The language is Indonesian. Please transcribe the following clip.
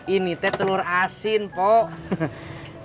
ini teh telur asin po